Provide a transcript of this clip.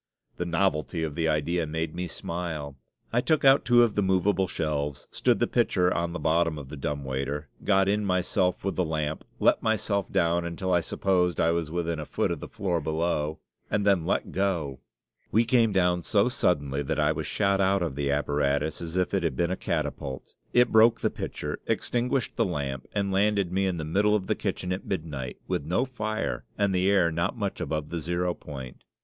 The novelty of the idea made me smile. I took out two of the movable shelves, stood the pitcher on the bottom of the dumb waiter, got in myself with the lamp; let myself down, until I supposed I was within a foot of the floor below, and then let go! We came down so suddenly that I was shot out of the apparatus as if it had been a catapult; it broke the pitcher, extinguished the lamp, and landed me in the middle of the kitchen at midnight, with no fire and the air not much above the zero point.